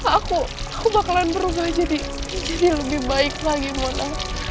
aku aku bakalan berubah jadi jadi lebih baik lagi mona